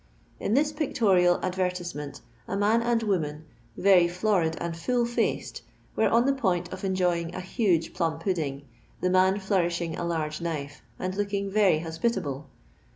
In this pictorial advertisement a man snd woman, very florid and fnll fnccd, were on the point of enjoying n huge plum pudding, the nan flourishing a large knife, and looking very hospitable.